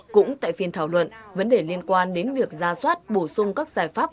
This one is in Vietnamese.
cũng tại phiên thảo luận vấn đề liên quan đến việc ra soát bổ sung các giải pháp